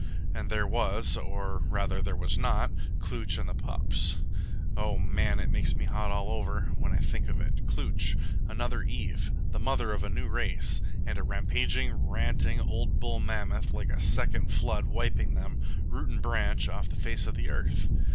And there was or, rather, there was not Klooch and the pups. O man, it makes me hot all over now when I think of it Klooch! Another Eve! The mother of a new race! And a rampaging, ranting, old bull mammoth, like a second flood, wiping them, root and branch, off the face of the earth!